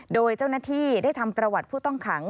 โดยเจ้าหน้าที่ได้ทำประวัติผู้ต้องขัง